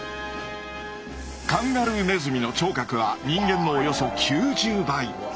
カンガルーネズミの聴覚は人間のおよそ９０倍。